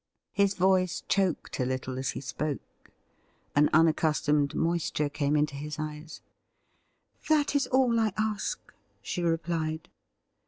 His voice choked a little as he spoke. An unaccustomed moisture came into his eyes. ' That is all I ask,' she replied.